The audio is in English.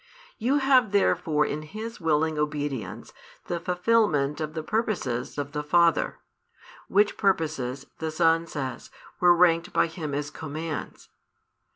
You have therefore in His willing obedience the fulfilment of the purposes of the Father; which purposes, the Son says, were ranked by Him as commands.